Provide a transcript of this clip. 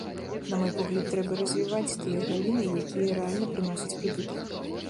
На мой погляд трэба развіваць тыя галіны, якія рэальна прыносяць прыбытак.